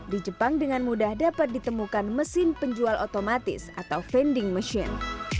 di jepang dengan mudah dapat ditemukan mesin penjual otomatis atau vending machine